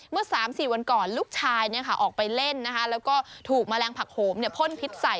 เมื่อ๓๔วันก่อนลูกชายออกไปเล่นแล้วก็ถูกแมลงผักโหมพ่นพิษใส่